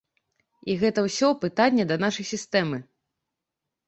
І гэта ўсё пытанне да нашай сістэмы.